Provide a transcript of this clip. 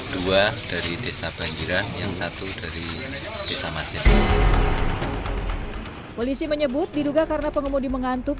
dua dari desa banjiran yang satu dari desa masjid polisi menyebut diduga karena pengemudi mengantuk